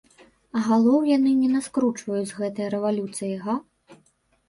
А галоў яны не наскручваюць з гэткай рэвалюцыяй, га?